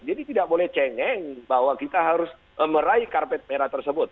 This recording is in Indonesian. jadi tidak boleh cengek bahwa kita harus meraih karpet merah tersebut